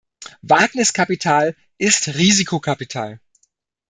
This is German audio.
Wagniskapital ist Risikokapital.